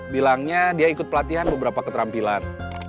bilangnya dia ikut pelatihan beberapa keterampilan